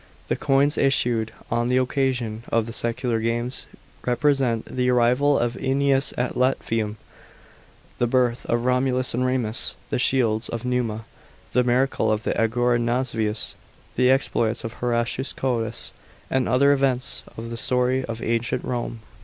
The coins issued on the occasion of the Secular Games represent the arrival of ^Eneas at Lavmium, the birth of Romulus and Remus, the shields of Numa, the miracle of the augur Nasvius, the exploits of Horatius Codes, and other events of the story of ancient Rome.